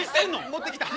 持ってきた。